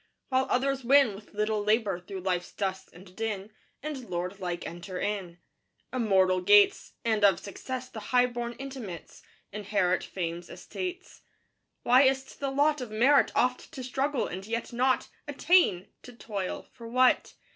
While others win With little labor through life's dust and din, And lord like enter in Immortal gates; And, of Success the high born intimates, Inherit Fame's estates.... Why is 't the lot Of merit oft to struggle and yet not Attain? to toil for what?